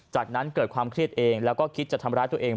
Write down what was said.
จากนั้นเกิดความเครียดเองแล้วก็คิดจะทำร้ายตัวเอง